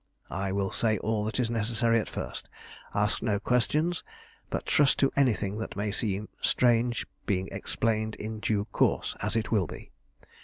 I will say all that is necessary at first. Ask no questions, but trust to anything that may seem strange being explained in due course as it will be.